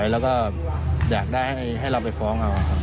แล้วก็อยากได้ให้เราไปฟ้องเอาครับ